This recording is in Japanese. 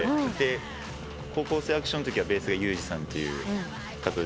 『高校生アクション』のときはベースがＵ．Ｇさんという方で。